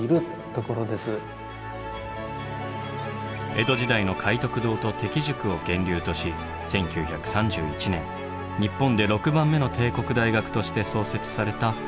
江戸時代の懐徳堂と適塾を源流とし１９３１年日本で６番目の帝国大学として創設された大阪大学。